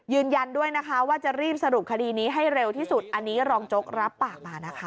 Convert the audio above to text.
ยืนยันด้วยนะคะว่าจะรีบสรุปคดีนี้ให้เร็วที่สุดอันนี้รองโจ๊กรับปากมานะคะ